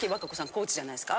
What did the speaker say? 高知じゃないですか。